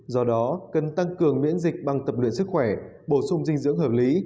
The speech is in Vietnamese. do đó cần tăng cường miễn dịch bằng tập luyện sức khỏe bổ sung dinh dưỡng hợp lý